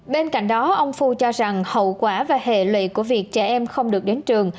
bên cạnh đó ông phu cho rằng hậu quả và hệ lụy của việc trẻ em không được đến trường